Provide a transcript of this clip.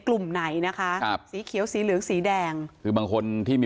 กลุ่มไหนนะคะครับสีเขียวสีเหลืองสีแดงคือบางคนที่มี